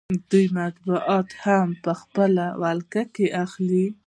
دوی مطبوعات هم په خپله ولکه کې اخلي